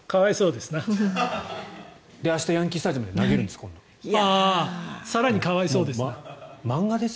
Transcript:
で、明日ヤンキー・スタジアムで投げるんです。